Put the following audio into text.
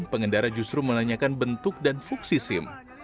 pengendara justru menanyakan bentuk dan fuksi sim